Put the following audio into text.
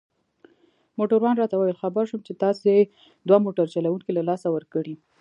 موټروان راته وویل: خبر شوم چي تاسي دوه موټر چلوونکي له لاسه ورکړي.